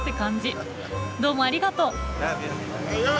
どうもありがとう。